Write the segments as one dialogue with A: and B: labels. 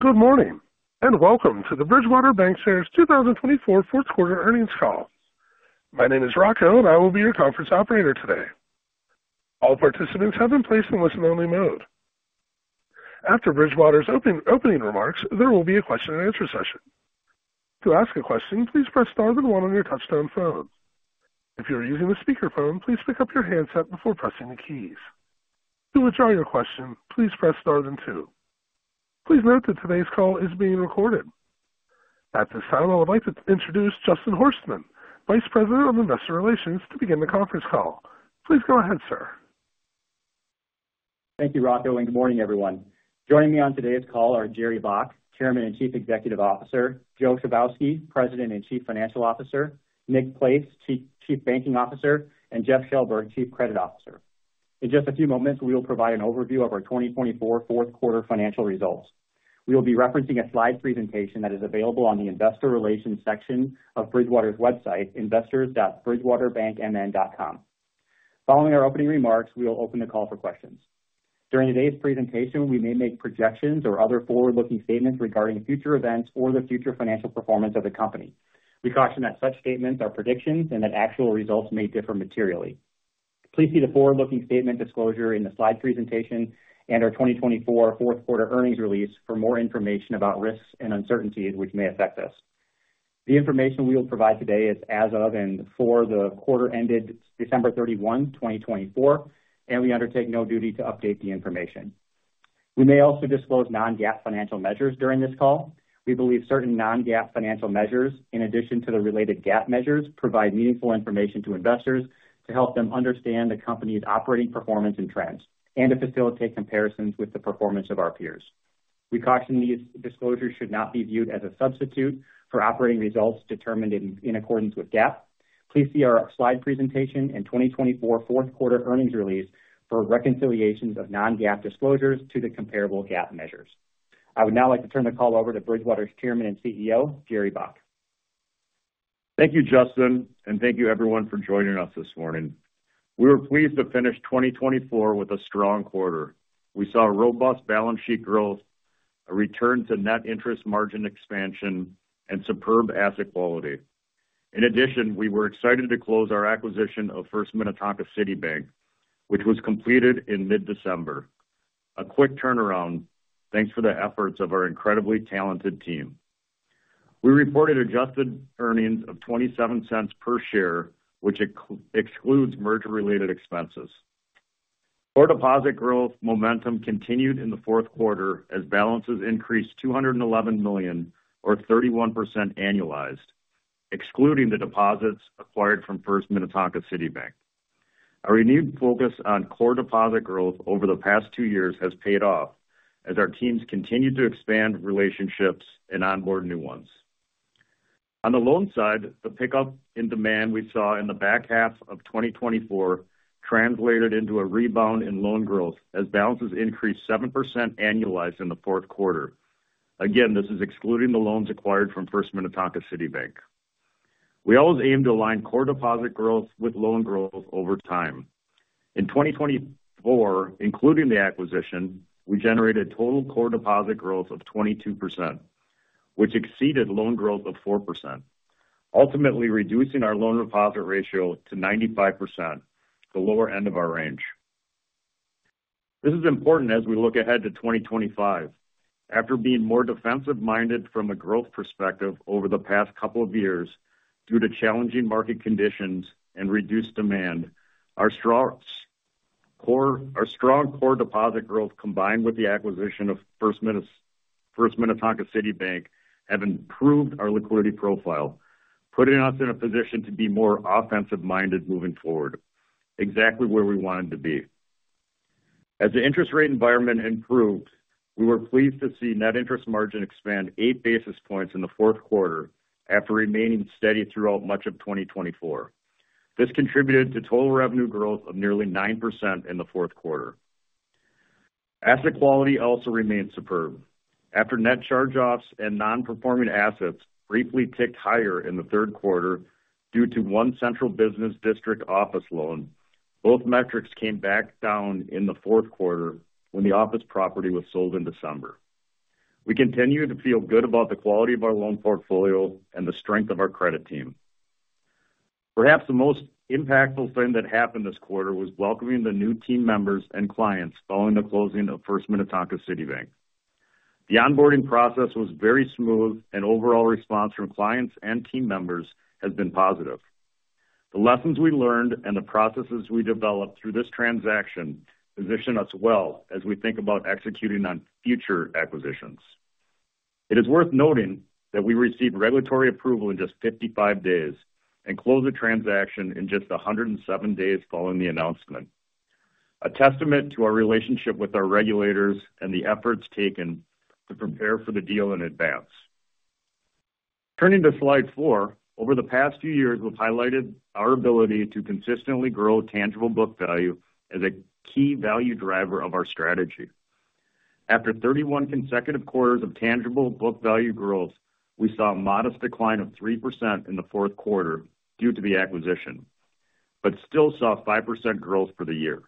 A: Good morning and welcome to the Bridgewater Bancshares 2024 fourth quarter earnings call. My name is Rocco and I will be your conference operator today. All participants have been placed in listen-only mode. After Bridgewater's opening remarks, there will be a question and answer session. To ask a question, please press star with one on your touch-tone phone. If you're using a speakerphone, please pick up your handset before pressing the keys. To withdraw your question, please press star then two. Please note that today's call is being recorded. At this time, I would like to introduce Justin Horstman, Vice President of Investor Relations, to begin the conference call. Please go ahead, sir.
B: Thank you, Rocco, and good morning, everyone. Joining me on today's call are Jerry Baack, Chairman and Chief Executive Officer, Joe Chybowski, President and Chief Financial Officer, Nick Place, Chief Banking Officer, and Jeff Kjellberg, Chief Credit Officer. In just a few moments, we will provide an overview of our 2024 fourth quarter financial results. We will be referencing a slide presentation that is available on the Investor Relations section of Bridgewater's website, investors.bridgewaterbankmn.com. Following our opening remarks, we will open the call for questions. During today's presentation, we may make projections or other forward-looking statements regarding future events or the future financial performance of the company. We caution that such statements are predictions and that actual results may differ materially. Please see the forward-looking statement disclosure in the slide presentation and our 2024 Fourth Quarter Earnings release for more information about risks and uncertainties which may affect us. The information we will provide today is as of and for the quarter ended December 31, 2024, and we undertake no duty to update the information. We may also disclose non-GAAP financial measures during this call. We believe certain non-GAAP financial measures, in addition to the related GAAP measures, provide meaningful information to investors to help them understand the company's operating performance and trends and to facilitate comparisons with the performance of our peers. We caution these disclosures should not be viewed as a substitute for operating results determined in accordance with GAAP. Please see our slide presentation and 2024 Fourth Quarter Earnings release for reconciliations of non-GAAP disclosures to the comparable GAAP measures. I would now like to turn the call over to Bridgewater's Chairman and CEO, Jerry Baack.
C: Thank you, Justin, and thank you, everyone, for joining us this morning. We were pleased to finish 2024 with a strong quarter. We saw robust balance sheet growth, a return to net interest margin expansion, and superb asset quality. In addition, we were excited to close our acquisition of First Minnetonka City Bank, which was completed in mid-December. A quick turnaround, thanks to the efforts of our incredibly talented team. We reported adjusted earnings of $0.27 per share, which excludes merger-related expenses. Core deposit growth momentum continued in the fourth quarter as balances increased $211 million, or 31% annualized, excluding the deposits acquired from First Minnetonka City Bank. Our renewed focus on core deposit growth over the past two years has paid off as our teams continue to expand relationships and onboard new ones. On the loan side, the pickup in demand we saw in the back half of 2024 translated into a rebound in loan growth as balances increased 7% annualized in the fourth quarter. Again, this is excluding the loans acquired from First Minnetonka City Bank. We always aim to align core deposit growth with loan growth over time. In 2024, including the acquisition, we generated total core deposit growth of 22%, which exceeded loan growth of 4%, ultimately reducing our loan-to-deposit ratio to 95%, the lower end of our range. This is important as we look ahead to 2025. After being more defensive-minded from a growth perspective over the past couple of years due to challenging market conditions and reduced demand, our strong core deposit growth combined with the acquisition of First Minnetonka City Bank have improved our liquidity profile, putting us in a position to be more offensive-minded moving forward, exactly where we wanted to be. As the interest rate environment improved, we were pleased to see net interest margin expand eight basis points in the fourth quarter after remaining steady throughout much of 2024. This contributed to total revenue growth of nearly 9% in the fourth quarter. Asset quality also remained superb. After net charge-offs and non-performing assets briefly ticked higher in the third quarter due to one central business district office loan, both metrics came back down in the fourth quarter when the office property was sold in December. We continue to feel good about the quality of our loan portfolio and the strength of our credit team. Perhaps the most impactful thing that happened this quarter was welcoming the new team members and clients following the closing of First Minnetonka City Bank. The onboarding process was very smooth, and overall response from clients and team members has been positive. The lessons we learned and the processes we developed through this transaction position us well as we think about executing on future acquisitions. It is worth noting that we received regulatory approval in just 55 days and closed the transaction in just 107 days following the announcement, a testament to our relationship with our regulators and the efforts taken to prepare for the deal in advance. Turning to slide four, over the past few years, we've highlighted our ability to consistently grow tangible book value as a key value driver of our strategy. After 31 consecutive quarters of tangible book value growth, we saw a modest decline of 3% in the fourth quarter due to the acquisition, but still saw 5% growth for the year.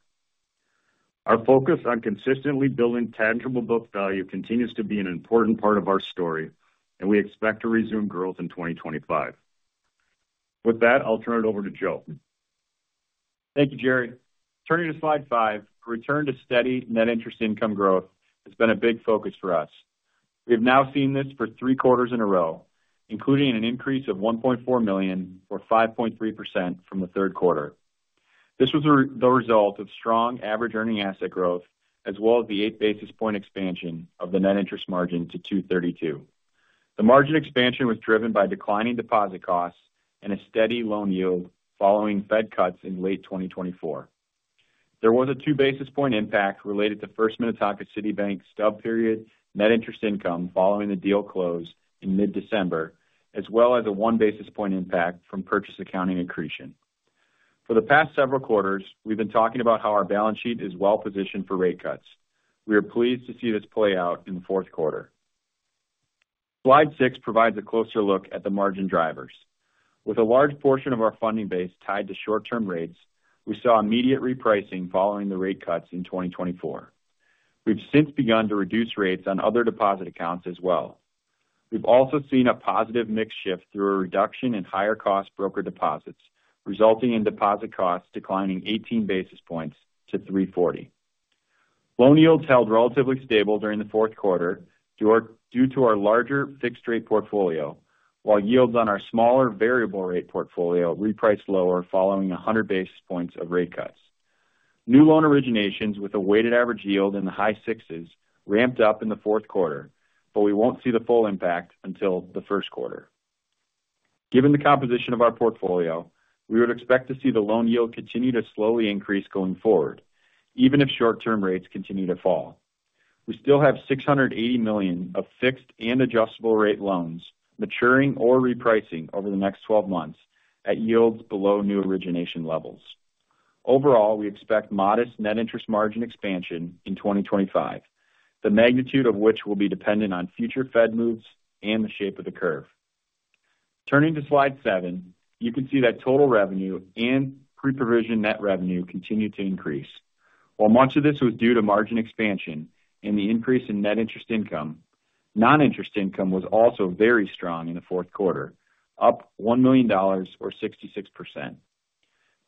C: Our focus on consistently building tangible book value continues to be an important part of our story, and we expect to resume growth in 2025. With that, I'll turn it over to Joe.
D: Thank you, Jerry. Turning to slide five, the return to steady net interest income growth has been a big focus for us. We have now seen this for three quarters in a row, including an increase of $1.4 million, or 5.3%, from the third quarter. This was the result of strong average earning asset growth, as well as the eight basis points expansion of the net interest margin to 232 basis points. The margin expansion was driven by declining deposit costs and a steady loan yield following Fed cuts in late 2024. There was a 2 basis points impact related to First Minnetonka City Bank's stub period net interest income following the deal close in mid-December, as well as a 1 basis point impact from purchase accounting accretion. For the past several quarters, we've been talking about how our balance sheet is well-positioned for rate cuts. We are pleased to see this play out in the fourth quarter. Slide six provides a closer look at the margin drivers. With a large portion of our funding base tied to short-term rates, we saw immediate repricing following the rate cuts in 2024. We've since begun to reduce rates on other deposit accounts as well. We've also seen a positive mix shift through a reduction in higher-cost broker deposits, resulting in deposit costs declining 18 basis points to 3.40%. Loan yields held relatively stable during the fourth quarter due to our larger fixed-rate portfolio, while yields on our smaller variable-rate portfolio repriced lower following 100 basis points of rate cuts. New loan originations with a weighted average yield in the high sixes ramped up in the fourth quarter, but we won't see the full impact until the first quarter. Given the composition of our portfolio, we would expect to see the loan yield continue to slowly increase going forward, even if short-term rates continue to fall. We still have $680 million of fixed and adjustable-rate loans maturing or repricing over the next 12 months at yields below new origination levels. Overall, we expect modest net interest margin expansion in 2025, the magnitude of which will be dependent on future Fed moves and the shape of the curve. Turning to slide seven, you can see that total revenue and pre-provision net revenue continued to increase. While much of this was due to margin expansion and the increase in net interest income, non-interest income was also very strong in the fourth quarter, up $1 million, or 66%.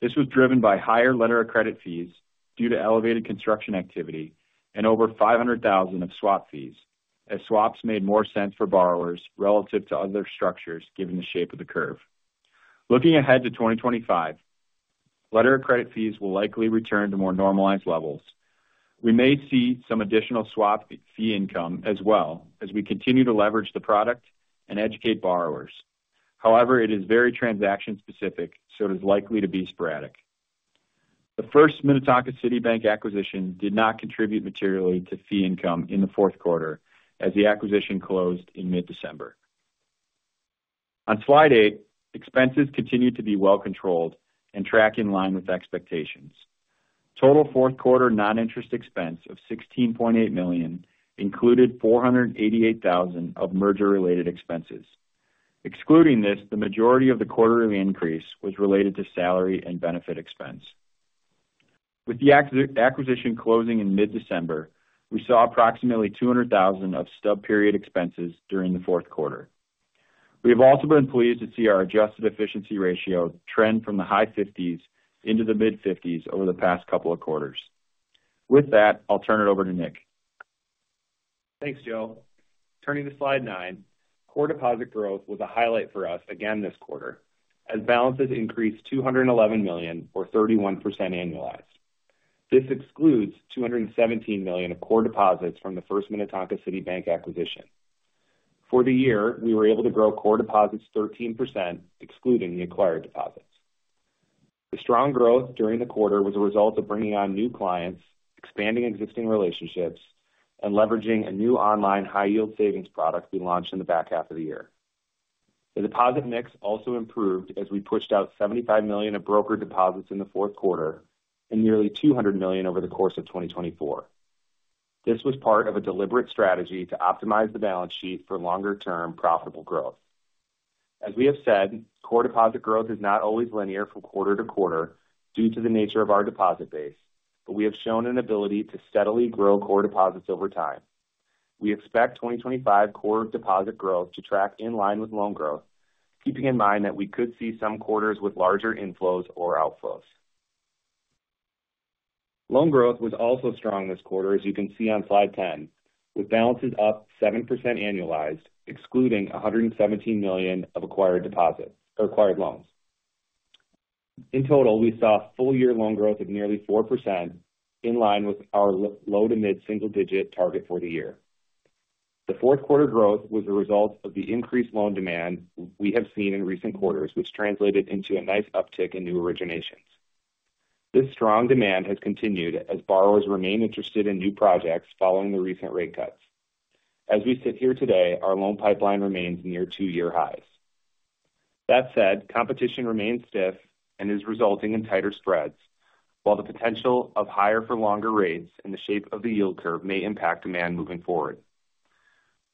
D: This was driven by higher letter of credit fees due to elevated construction activity and over $500,000 of swap fees, as swaps made more sense for borrowers relative to other structures given the shape of the curve. Looking ahead to 2025, letter of credit fees will likely return to more normalized levels. We may see some additional swap fee income as well as we continue to leverage the product and educate borrowers. However, it is very transaction-specific, so it is likely to be sporadic. The First Minnetonka City Bank acquisition did not contribute materially to fee income in the fourth quarter as the acquisition closed in mid-December. On slide eight, expenses continued to be well-controlled and track in line with expectations. Total fourth quarter non-interest expense of $16.8 million included $488,000 of merger-related expenses. Excluding this, the majority of the quarterly increase was related to salary and benefit expense. With the acquisition closing in mid-December, we saw approximately $200,000 of stub period expenses during the fourth quarter. We have also been pleased to see our adjusted efficiency ratio trend from the high fifties into the mid-fifties over the past couple of quarters. With that, I'll turn it over to Nick.
E: Thanks, Joe. Turning to slide nine, core deposit growth was a highlight for us again this quarter as balances increased $211 million, or 31% annualized. This excludes $217 million of core deposits from the First Minnetonka City Bank acquisition. For the year, we were able to grow core deposits 13%, excluding the acquired deposits. The strong growth during the quarter was a result of bringing on new clients, expanding existing relationships, and leveraging a new online high-yield savings product we launched in the back half of the year. The deposit mix also improved as we pushed out $75 million of broker deposits in the fourth quarter and nearly $200 million over the course of 2024. This was part of a deliberate strategy to optimize the balance sheet for longer-term profitable growth. As we have said, core deposit growth is not always linear from quarter-to-quarter due to the nature of our deposit base, but we have shown an ability to steadily grow core deposits over time. We expect 2025 core deposit growth to track in line with loan growth, keeping in mind that we could see some quarters with larger inflows or outflows. Loan growth was also strong this quarter, as you can see on slide 10, with balances up 7% annualized, excluding $117 million of acquired loans. In total, we saw full year loan growth of nearly 4% in line with our low to mid-single-digit target for the year. The fourth quarter growth was a result of the increased loan demand we have seen in recent quarters, which translated into a nice uptick in new originations. This strong demand has continued as borrowers remain interested in new projects following the recent rate cuts. As we sit here today, our loan pipeline remains near two-year highs. That said, competition remains stiff and is resulting in tighter spreads, while the potential of higher-for-longer rates in the shape of the yield curve may impact demand moving forward.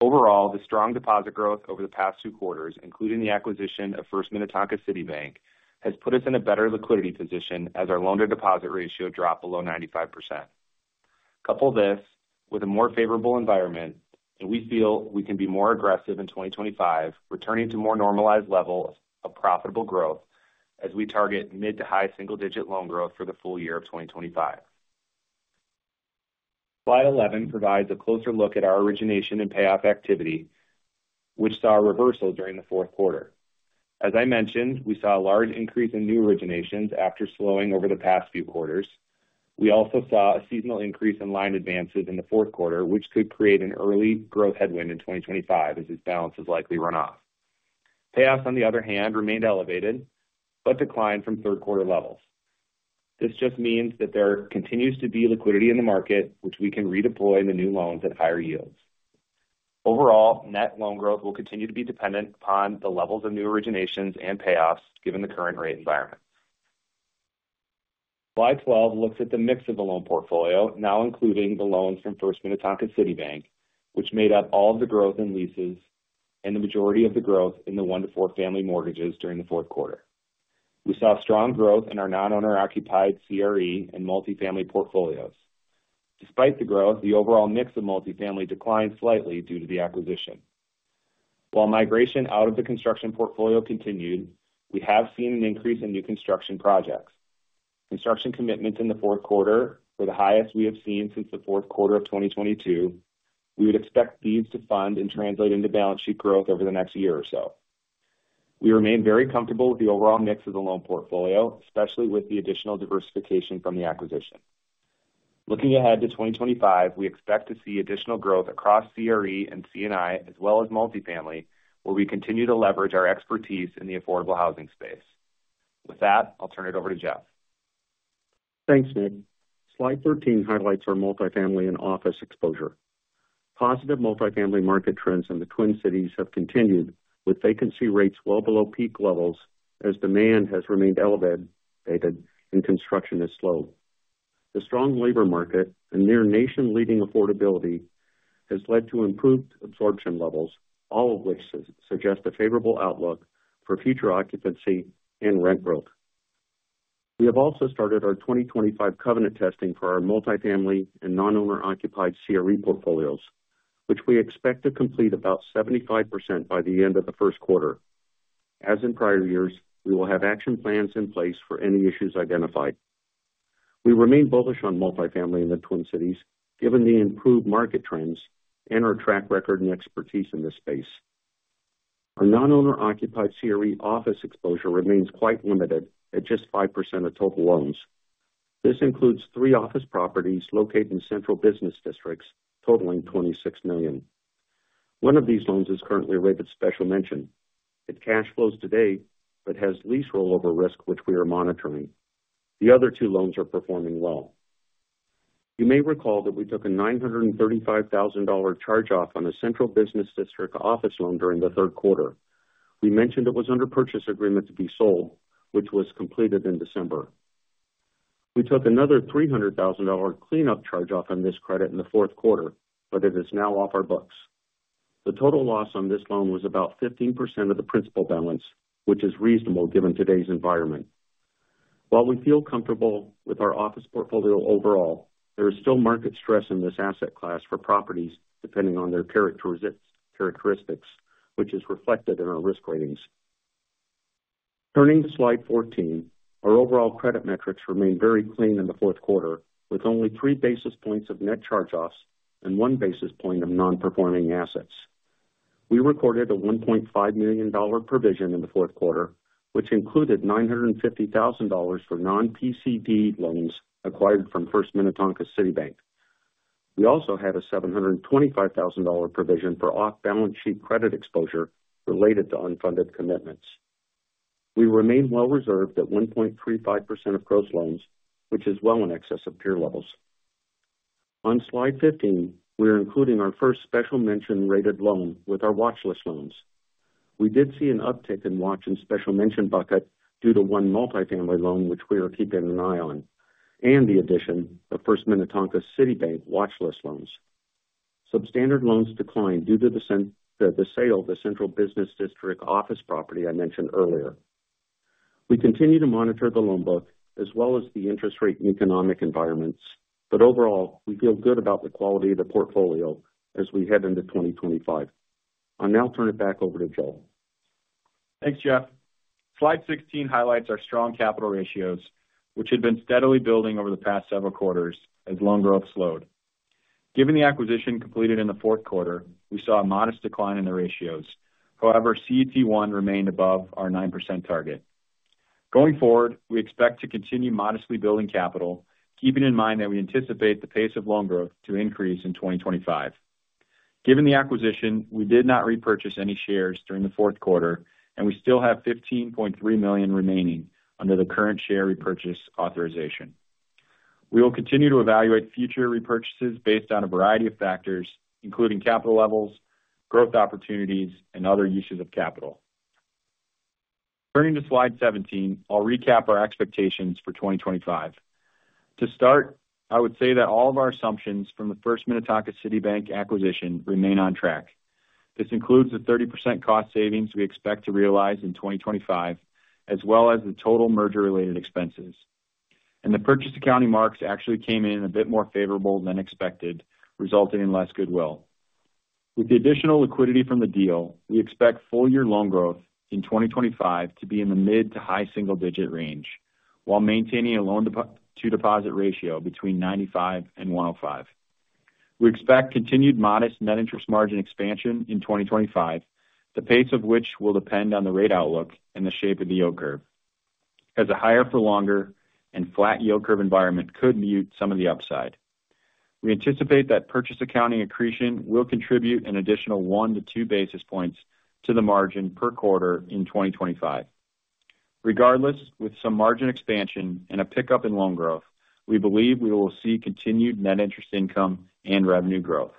E: Overall, the strong deposit growth over the past two quarters, including the acquisition of First Minnetonka City Bank, has put us in a better liquidity position as our loan-to-deposit ratio dropped below 95%. Couple this with a more favorable environment, and we feel we can be more aggressive in 2025, returning to a more normalized level of profitable growth as we target mid-to-high single-digit loan growth for the full year of 2025. Slide 11 provides a closer look at our origination and payoff activity, which saw a reversal during the fourth quarter. As I mentioned, we saw a large increase in new originations after slowing over the past few quarters. We also saw a seasonal increase in line advances in the fourth quarter, which could create an early growth headwind in 2025 as these balances likely run off. Payoffs, on the other hand, remained elevated but declined from third quarter levels. This just means that there continues to be liquidity in the market, which we can redeploy in the new loans at higher yields. Overall, net loan growth will continue to be dependent upon the levels of new originations and payoffs given the current rate environment. Slide 12 looks at the mix of the loan portfolio, now including the loans from First Minnetonka City Bank, which made up all of the growth in leases and the majority of the growth in the one-to-four family mortgages during the fourth quarter. We saw strong growth in our non-owner-occupied CRE and multifamily portfolios. Despite the growth, the overall mix of multifamily declined slightly due to the acquisition. While migration out of the construction portfolio continued, we have seen an increase in new construction projects. Construction commitments in the fourth quarter were the highest we have seen since the fourth quarter of 2022. We would expect these to fund and translate into balance sheet growth over the next year or so. We remain very comfortable with the overall mix of the loan portfolio, especially with the additional diversification from the acquisition. Looking ahead to 2025, we expect to see additional growth across CRE and C&I, as well as multifamily, where we continue to leverage our expertise in the affordable housing space. With that, I'll turn it over to Jeff.
F: Thanks, Nick. Slide 13 highlights our multifamily and office exposure. Positive multifamily market trends in the Twin Cities have continued, with vacancy rates well below peak levels as demand has remained elevated and construction has slowed. The strong labor market and near-nation-leading affordability have led to improved absorption levels, all of which suggest a favorable outlook for future occupancy and rent growth. We have also started our 2025 covenant testing for our multifamily and non-owner-occupied CRE portfolios, which we expect to complete about 75% by the end of the first quarter. As in prior years, we will have action plans in place for any issues identified. We remain bullish on multifamily in the Twin Cities, given the improved market trends and our track record and expertise in this space. Our non-owner-occupied CRE office exposure remains quite limited at just 5% of total loans. This includes three office properties located in central business districts, totaling $26 million. One of these loans is currently rated special mention. It cash flows today but has lease rollover risk, which we are monitoring. The other two loans are performing well. You may recall that we took a $935,000 charge-off on a central business district office loan during the third quarter. We mentioned it was under purchase agreement to be sold, which was completed in December. We took another $300,000 cleanup charge-off on this credit in the fourth quarter, but it is now off our books. The total loss on this loan was about 15% of the principal balance, which is reasonable given today's environment. While we feel comfortable with our office portfolio overall, there is still market stress in this asset class for properties depending on their characteristics, which is reflected in our risk ratings. Turning to slide 14, our overall credit metrics remained very clean in the fourth quarter, with only three basis points of net charge-offs and one basis point of non-performing assets. We recorded a $1.5 million provision in the fourth quarter, which included $950,000 for non-PCD loans acquired from First Minnetonka City Bank. We also had a $725,000 provision for off-balance sheet credit exposure related to unfunded commitments. We remain well-reserved at 1.35% of gross loans, which is well in excess of peer levels. On slide 15, we are including our first special mention rated loan with our watchlist loans. We did see an uptick in watchlist and special mention bucket due to one multifamily loan, which we are keeping an eye on, and the addition of First Minnetonka City Bank watchlist loans. Substandard loans declined due to the sale of the central business district office property I mentioned earlier. We continue to monitor the loan book as well as the interest rate and economic environments, but overall, we feel good about the quality of the portfolio as we head into 2025. I'll now turn it back over to Joe.
D: Thanks, Jeff. Slide 16 highlights our strong capital ratios, which had been steadily building over the past several quarters as loan growth slowed. Given the acquisition completed in the fourth quarter, we saw a modest decline in the ratios. However, CET1 remained above our 9% target. Going forward, we expect to continue modestly building capital, keeping in mind that we anticipate the pace of loan growth to increase in 2025. Given the acquisition, we did not repurchase any shares during the fourth quarter, and we still have $15.3 million remaining under the current share repurchase authorization. We will continue to evaluate future repurchases based on a variety of factors, including capital levels, growth opportunities, and other uses of capital. Turning to slide 17, I'll recap our expectations for 2025. To start, I would say that all of our assumptions from the First Minnetonka City Bank acquisition remain on track. This includes the 30% cost savings we expect to realize in 2025, as well as the total merger-related expenses. The purchase accounting marks actually came in a bit more favorable than expected, resulting in less goodwill. With the additional liquidity from the deal, we expect full-year loan growth in 2025 to be in the mid-to-high single-digit range, while maintaining a loan-to-deposit ratio between 95 and 105. We expect continued modest net interest margin expansion in 2025, the pace of which will depend on the rate outlook and the shape of the yield curve, as a higher-for-longer and flat yield curve environment could mute some of the upside. We anticipate that purchase accounting accretion will contribute an additional 1-2 basis points to the margin per quarter in 2025. Regardless, with some margin expansion and a pickup in loan growth, we believe we will see continued net interest income and revenue growth.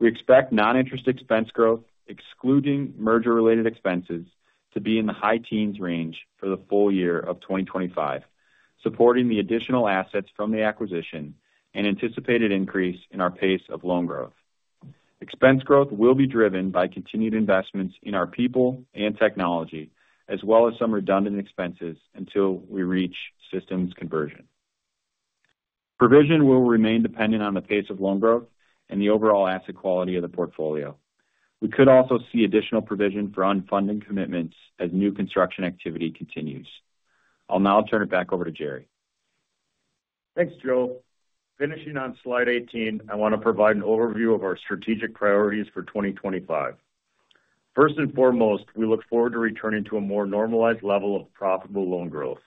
D: We expect non-interest expense growth, excluding merger-related expenses, to be in the high teens range for the full year of 2025, supporting the additional assets from the acquisition and anticipated increase in our pace of loan growth. Expense growth will be driven by continued investments in our people and technology, as well as some redundant expenses until we reach systems conversion. Provision will remain dependent on the pace of loan growth and the overall asset quality of the portfolio. We could also see additional provision for unfunded commitments as new construction activity continues. I'll now turn it back over to Jerry.
C: Thanks, Joe. Finishing on slide 18, I want to provide an overview of our strategic priorities for 2025. First and foremost, we look forward to returning to a more normalized level of profitable loan growth.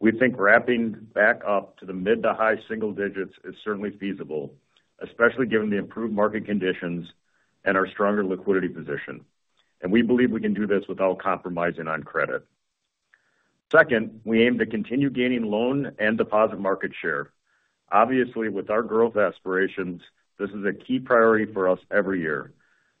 C: We think wrapping back up to the mid-to-high single digits is certainly feasible, especially given the improved market conditions and our stronger liquidity position. And we believe we can do this without compromising on credit. Second, we aim to continue gaining loan and deposit market share. Obviously, with our growth aspirations, this is a key priority for us every year,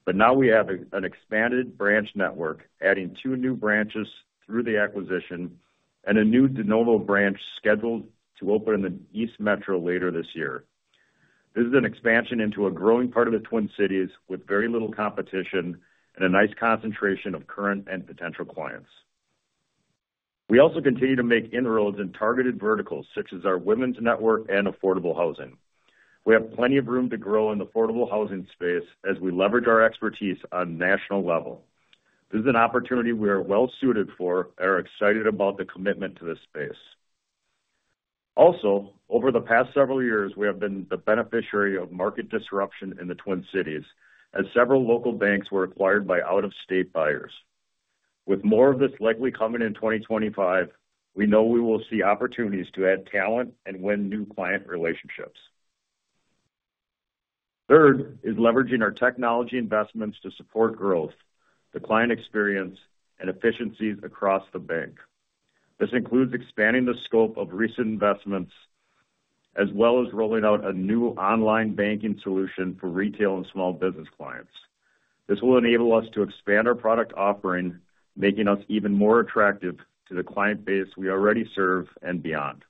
C: but now we have an expanded branch network, adding two new branches through the acquisition and a new de novo branch scheduled to open in the East Metro later this year. This is an expansion into a growing part of the Twin Cities with very little competition and a nice concentration of current and potential clients. We also continue to make inroads in targeted verticals such as our women's network and affordable housing. We have plenty of room to grow in the affordable housing space as we leverage our expertise on a national level. This is an opportunity we are well suited for and are excited about the commitment to this space. Also, over the past several years, we have been the beneficiary of market disruption in the Twin Cities as several local banks were acquired by out-of-state buyers. With more of this likely coming in 2025, we know we will see opportunities to add talent and win new client relationships. Third is leveraging our technology investments to support growth, the client experience, and efficiencies across the bank. This includes expanding the scope of recent investments as well as rolling out a new online banking solution for retail and small business clients. This will enable us to expand our product offering, making us even more attractive to the client base we already serve and beyond.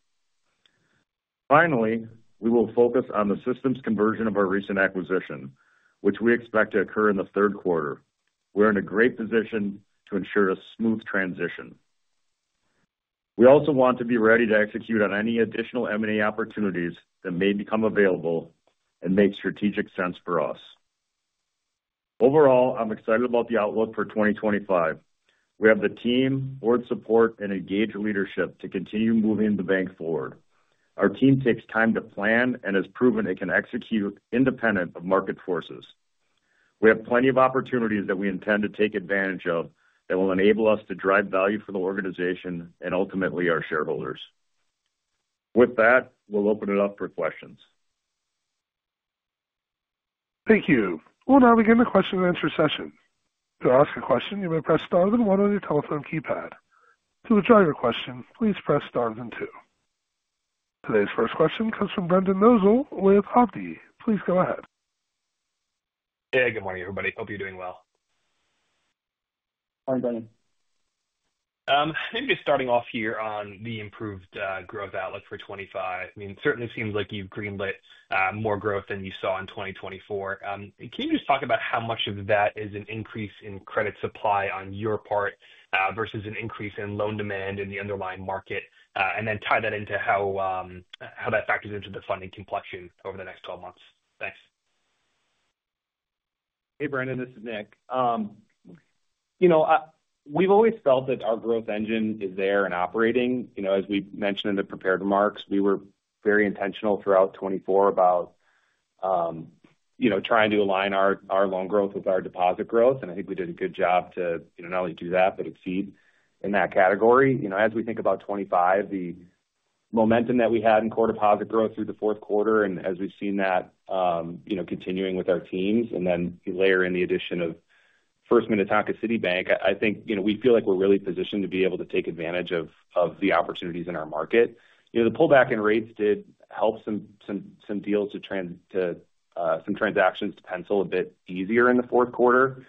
C: Finally, we will focus on the systems conversion of our recent acquisition, which we expect to occur in the third quarter. We're in a great position to ensure a smooth transition. We also want to be ready to execute on any additional M&A opportunities that may become available and make strategic sense for us. Overall, I'm excited about the outlook for 2025. We have the team, board support, and engaged leadership to continue moving the bank forward. Our team takes time to plan and has proven it can execute independent of market forces. We have plenty of opportunities that we intend to take advantage of that will enable us to drive value for the organization and ultimately our shareholders. With that, we'll open it up for questions.
A: Thank you. We'll now begin the question and answer session. To ask a question, you may press star then one on your telephone keypad. To withdraw your question, please press star then two. Today's first question comes from Brendan Nosal with Hovde. Please go ahead.
G: Hey, good morning, everybody. Hope you're doing well.
C: Morning, Brendan.
G: Maybe just starting off here on the improved growth outlook for 2025. I mean, it certainly seems like you've greenlit more growth than you saw in 2024. Can you just talk about how much of that is an increase in credit supply on your part versus an increase in loan demand in the underlying market, and then tie that into how that factors into the funding complexion over the next 12 months? Thanks.
E: Hey, Brendan, this is Nick. We've always felt that our growth engine is there and operating. As we mentioned in the prepared remarks, we were very intentional throughout 2024 about trying to align our loan growth with our deposit growth, and I think we did a good job to not only do that, but exceed in that category. As we think about 2025, the momentum that we had in core deposit growth through the fourth quarter, and as we've seen that continuing with our teams, and then layer in the addition of First Minnetonka City Bank, I think we feel like we're really positioned to be able to take advantage of the opportunities in our market. The pullback in rates did help some deals, some transactions, to pencil a bit easier in the fourth quarter.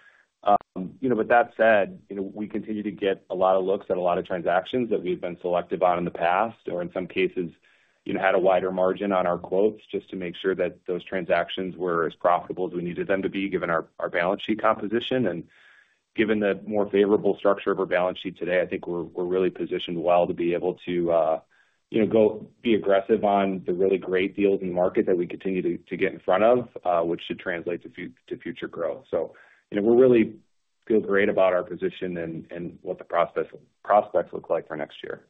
E: With that said, we continue to get a lot of looks at a lot of transactions that we've been selective on in the past, or in some cases, had a wider margin on our quotes just to make sure that those transactions were as profitable as we needed them to be, given our balance sheet composition. And given the more favorable structure of our balance sheet today, I think we're really positioned well to be able to go be aggressive on the really great deals in the market that we continue to get in front of, which should translate to future growth. So we really feel great about our position and what the prospects look like for next year.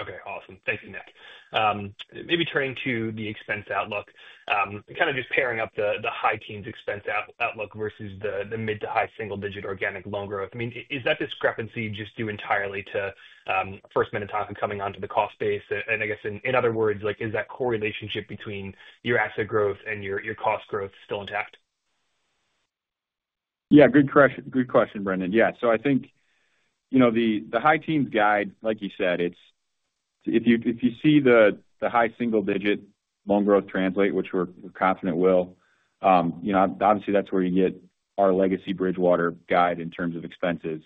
G: Okay, awesome. Thank you, Nick. Maybe turning to the expense outlook, kind of just pairing up the high teens expense outlook versus the mid-to-high single-digit organic loan growth. I mean, is that discrepancy just due entirely to First Minnetonka coming onto the cost base? And I guess, in other words, is that core relationship between your asset growth and your cost growth still intact?
D: Yeah, good question, Brendan. Yeah. So I think the high teens guide, like you said, if you see the high single-digit loan growth translate, which we're confident will, obviously, that's where you get our legacy Bridgewater guide in terms of expenses.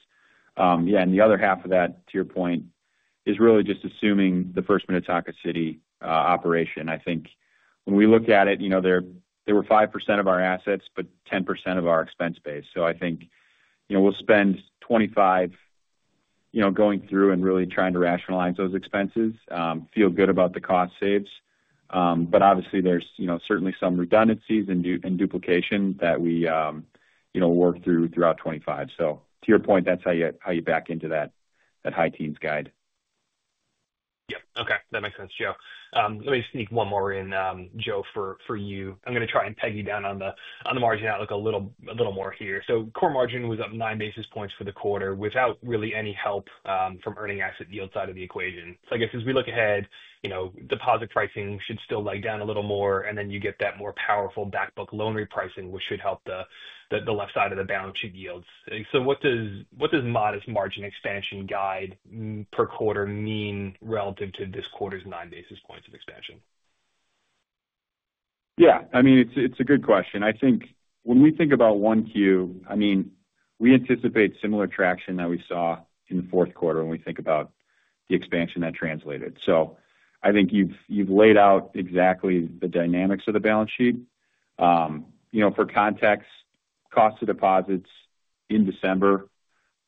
D: Yeah. And the other half of that, to your point, is really just assuming the First Minnetonka City operation. I think when we look at it, there were 5% of our assets, but 10% of our expense base. So I think we'll spend 2025 going through and really trying to rationalize those expenses, feel good about the cost saves. But obviously, there's certainly some redundancies and duplication that we work through throughout 2025. So to your point, that's how you back into that high teens guide.
G: Yeah. Okay. That makes sense, Joe. Let me just sneak one more in, Joe, for you. I'm going to try and peg you down on the margin outlook a little more here. So core margin was up 9 basis points for the quarter without really any help from earning asset yield side of the equation. So I guess as we look ahead, deposit pricing should still leg down a little more, and then you get that more powerful backbook loan repricing, which should help the left side of the balance sheet yields. So what does modest margin expansion guide per quarter mean relative to this quarter's 9 basis points of expansion?
D: Yeah. I mean, it's a good question. I think when we think about 1Q, I mean, we anticipate similar traction that we saw in the fourth quarter when we think about the expansion that translated. So I think you've laid out exactly the dynamics of the balance sheet. For context, cost of deposits in December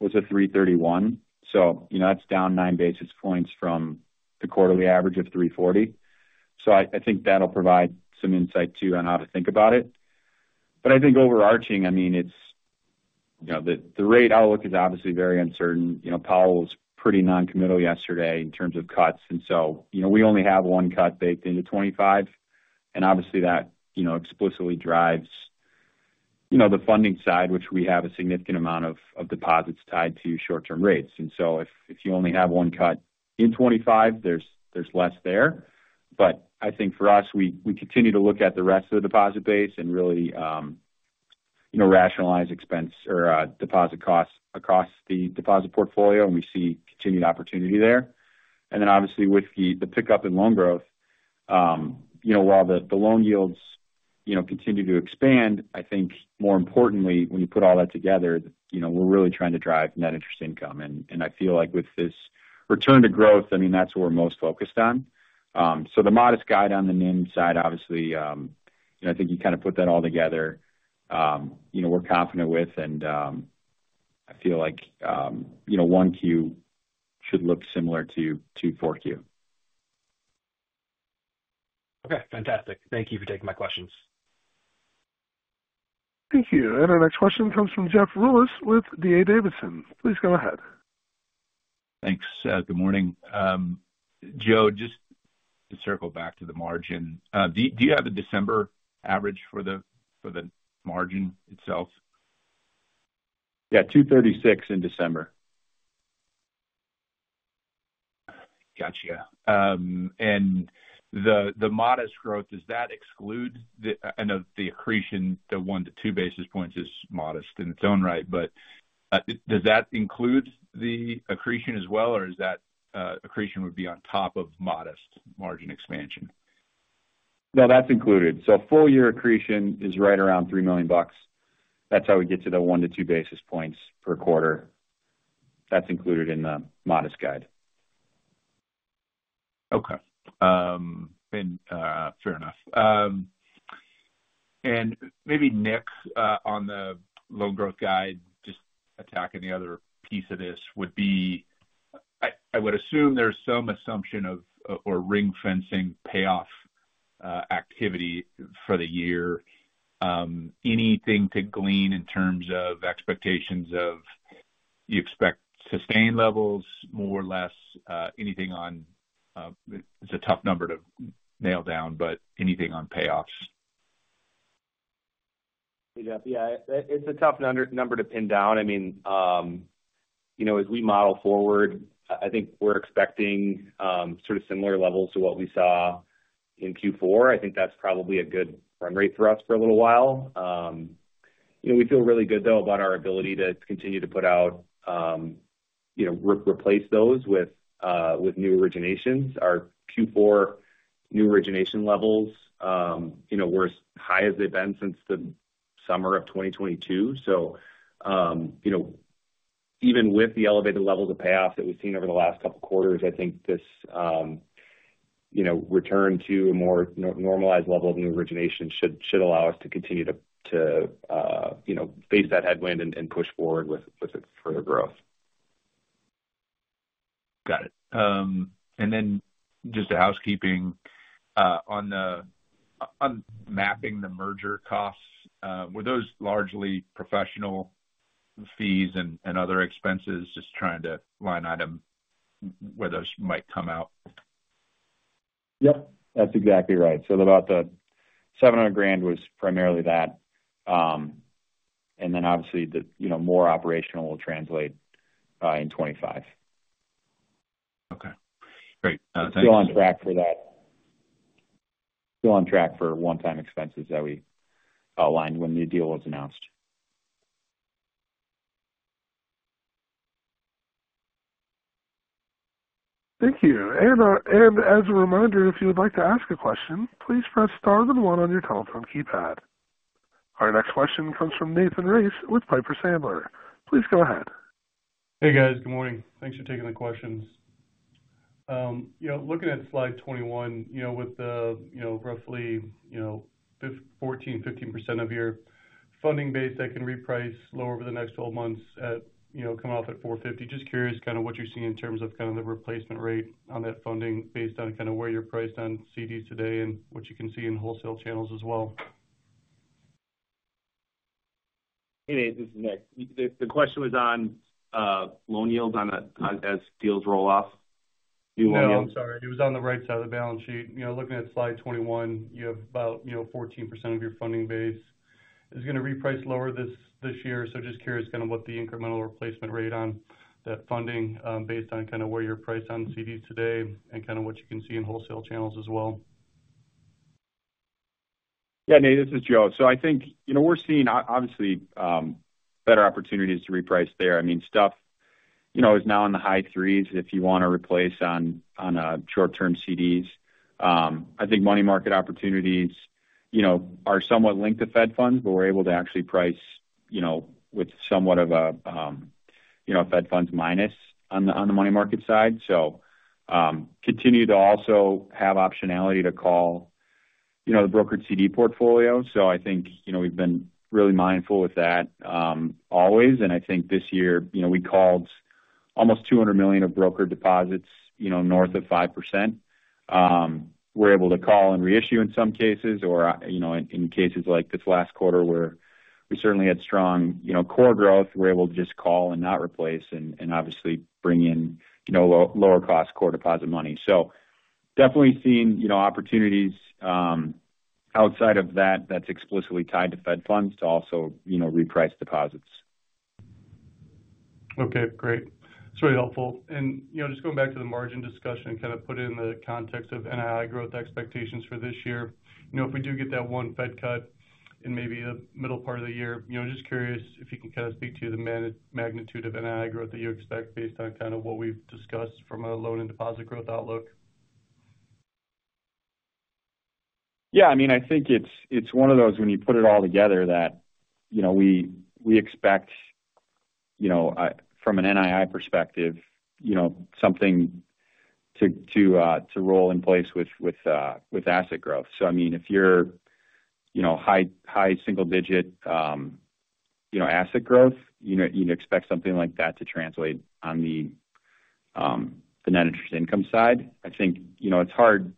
D: was a 331. So that's down 9 basis points from the quarterly average of 340. So I think that'll provide some insight too on how to think about it. But I think overarching, I mean, the rate outlook is obviously very uncertain. Powell was pretty non-committal yesterday in terms of cuts. And so we only have one cut baked into 2025. And obviously, that explicitly drives the funding side, which we have a significant amount of deposits tied to short-term rates. And so if you only have one cut in 2025, there's less there. But I think for us, we continue to look at the rest of the deposit base and really rationalize expense or deposit costs across the deposit portfolio, and we see continued opportunity there. And then obviously, with the pickup in loan growth, while the loan yields continue to expand, I think more importantly, when you put all that together, we're really trying to drive net interest income. And I feel like with this return to growth, I mean, that's what we're most focused on. So the modest guide on the NIM side, obviously, I think you kind of put that all together. We're confident with, and I feel like 1Q should look similar to 4Q.
G: Okay. Fantastic. Thank you for taking my questions.
A: Thank you. And our next question comes from Jeff Rulis with D.A. Davidson. Please go ahead.
H: Thanks. Good morning. Joe, just to circle back to the margin, do you have a December average for the margin itself?
D: Yeah, 236 in December.
H: Gotcha, and the modest growth, does that exclude the accretion? The one to two basis points is modest in its own right, but does that include the accretion as well, or is that accretion would be on top of modest margin expansion?
D: No, that's included. So full year accretion is right around $3 million. That's how we get to the 1-2 basis points per quarter. That's included in the modest guide.
H: Okay. Fair enough. And maybe Nick, on the loan growth guide, just attacking the other piece of this would be, I would assume there's some assumption of or ring-fencing payoff activity for the year. Anything to glean in terms of expectations of you expect sustained levels, more or less, anything on? It's a tough number to nail down, but anything on payoffs?
E: Yeah. It's a tough number to pin down. I mean, as we model forward, I think we're expecting sort of similar levels to what we saw in Q4. I think that's probably a good run rate for us for a little while. We feel really good, though, about our ability to continue to put out replace those with new originations. Our Q4 new origination levels were as high as they've been since the summer of 2022. So even with the elevated levels of payoffs that we've seen over the last couple of quarters, I think this return to a more normalized level of new origination should allow us to continue to face that headwind and push forward with further growth.
H: Got it. And then just a housekeeping on mapping the merger costs, were those largely professional fees and other expenses, just trying to line item where those might come out?
E: Yep. That's exactly right. So about the $700,000 was primarily that. And then obviously, the more operational will translate in 2025.
H: Okay. Great. Thanks.
E: Still on track for that. Still on track for one-time expenses that we outlined when the deal was announced.
A: Thank you. And as a reminder, if you would like to ask a question, please press star then one on your telephone keypad. Our next question comes from Nathan Race with Piper Sandler. Please go ahead.
I: Hey, guys. Good morning. Thanks for taking the questions. Looking at slide 21, with the roughly 14%-15% of your funding base that can reprice lower over the next 12 months coming off at 450, just curious kind of what you're seeing in terms of kind of the replacement rate on that funding based on kind of where you're priced on CDs today and what you can see in wholesale channels as well?
E: Hey, Nathan. This is Nick. The question was on loan yields as deals roll off. New loan yields.
I: Yeah. I'm sorry. It was on the right side of the balance sheet. Looking at slide 21, you have about 14% of your funding base is going to reprice lower this year. So just curious kind of what the incremental replacement rate on that funding based on kind of where you're priced on CDs today and kind of what you can see in wholesale channels as well.
D: Yeah, Nathan. This is Joe. So I think we're seeing obviously better opportunities to reprice there. I mean, stuff is now in the high threes if you want to replace on short-term CDs. I think money market opportunities are somewhat linked to Fed funds, but we're able to actually price with somewhat of a Fed funds minus on the money market side. So continue to also have optionality to call the brokered CD portfolio. So I think we've been really mindful with that always. And I think this year we called almost $200 million of brokered deposits north of 5%. We're able to call and reissue in some cases, or in cases like this last quarter where we certainly had strong core growth, we're able to just call and not replace and obviously bring in lower-cost core deposit money. So, definitely seeing opportunities outside of that that's explicitly tied to Fed funds to also reprice deposits.
I: Okay. Great. That's really helpful. And just going back to the margin discussion, kind of put it in the context of NII growth expectations for this year. If we do get that one Fed cut in maybe the middle part of the year, just curious if you can kind of speak to the magnitude of NII growth that you expect based on kind of what we've discussed from a loan and deposit growth outlook.
D: Yeah. I mean, I think it's one of those when you put it all together that we expect from an NII perspective, something to roll in place with asset growth. So I mean, if you're high single-digit asset growth, you'd expect something like that to translate on the net interest income side. I think it's hard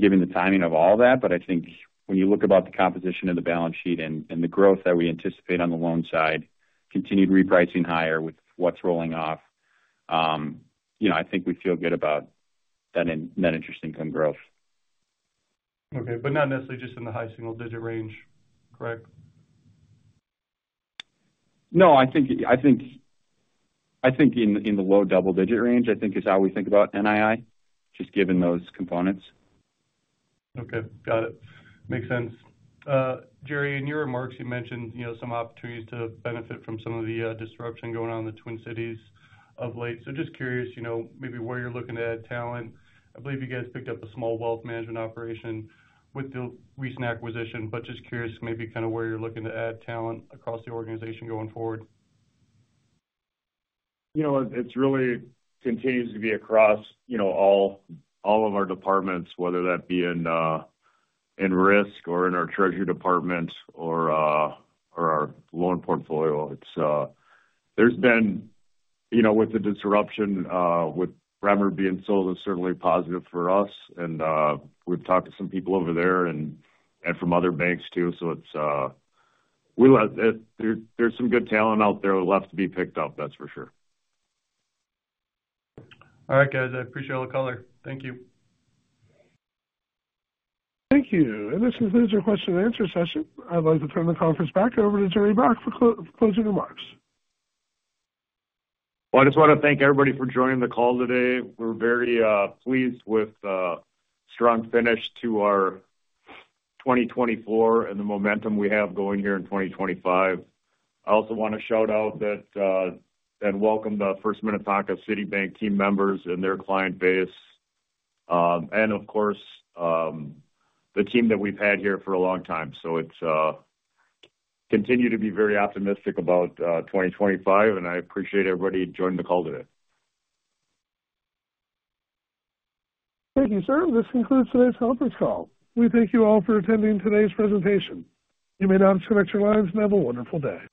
D: given the timing of all that, but I think when you look about the composition of the balance sheet and the growth that we anticipate on the loan side, continued repricing higher with what's rolling off, I think we feel good about that net interest income growth.
I: Okay, but not necessarily just in the high single-digit range, correct?
D: No. I think in the low double-digit range, I think, is how we think about NII, just given those components.
I: Okay. Got it. Makes sense. Jerry, in your remarks, you mentioned some opportunities to benefit from some of the disruption going on in the Twin Cities of late. So just curious maybe where you're looking to add talent. I believe you guys picked up a small wealth management operation with the recent acquisition, but just curious maybe kind of where you're looking to add talent across the organization going forward.
C: It really continues to be across all of our departments, whether that be in risk or in our treasury department or our loan portfolio. There's been, with the disruption, with Bremer being sold, it's certainly positive for us. And we've talked to some people over there and from other banks too. So there's some good talent out there left to be picked up, that's for sure.
I: All right, guys. I appreciate all the color. Thank you.
A: Thank you. This concludes our question and answer session. I'd like to turn the conference back over to Jerry Baack for closing remarks.
C: Well, I just want to thank everybody for joining the call today. We're very pleased with the strong finish to our 2024 and the momentum we have going here in 2025. I also want to shout out that and welcome the First Minnetonka City Bank team members and their client base, and of course, the team that we've had here for a long time, so continue to be very optimistic about 2025, and I appreciate everybody joining the call today.
A: Thank you, sir. This concludes today's conference call. We thank you all for attending today's presentation. You may now disconnect your lines and have a wonderful day.